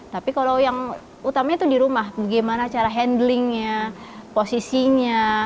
tapi kalau yang utamanya itu di rumah bagaimana cara handlingnya posisinya